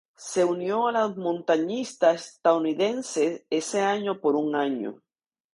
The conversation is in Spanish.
Se unió a los montañistas estadounidenses ese año por un año.